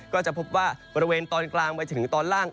ก็จะพบว่าบริเวณตอนกลางไปจนถึงตอนล่าง